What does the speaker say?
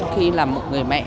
khi là một người mẹ